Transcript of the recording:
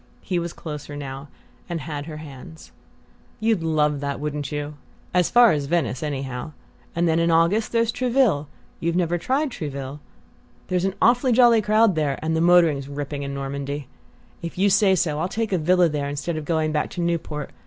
He was closer now, and had her hands. "You'd love that, wouldn't you? As far as Venice, anyhow; and then in August there's Trouville you've never tried Trouville? There's an awfully jolly crowd there and the motoring's ripping in Normandy. If you say so I'll take a villa there instead of going back to Newport.